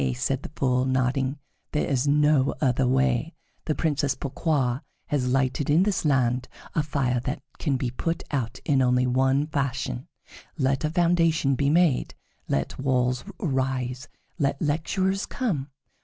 said the Fool, nodding; "there is no other way. The Princess Pourquoi has lighted in this land a fire that can be put out in only one fashion. Let a foundation be made; let walls arise; let lecturers come.